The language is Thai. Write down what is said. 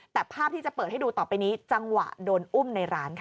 แต่ภาพที่จะเปิดให้ดูต่อไปนี้จังหวะโดนอุ้มในร้านค่ะ